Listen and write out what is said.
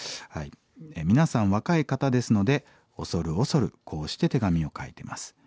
「皆さん若い方ですので恐る恐るこうして手紙を書いてます。